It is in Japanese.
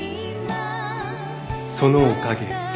そのおかげで。